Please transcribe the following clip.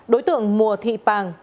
đối tượng mùa thị pàng